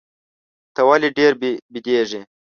ته ولي ډېر بیدېږې؟